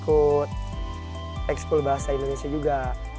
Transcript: ikut ekskul bahasa indonesia juga